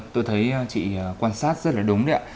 tôi thấy chị quan sát rất là đúng đấy ạ